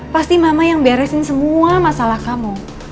pasti mama yang beresin semua masalah kamu